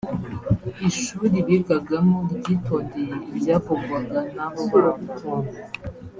ishuri bigagamo ryitondeye ibyavugwaga n’abo bana